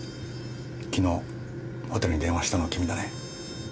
昨日ホテルに電話をしたのは君だね？